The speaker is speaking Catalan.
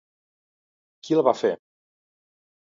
Qui el va fer?